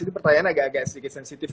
ini pertanyaan agak agak sedikit sensitif